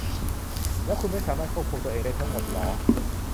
แล้วคุณไม่สามารถควบคุมตัวเองได้ทั้งหมดหรอ ?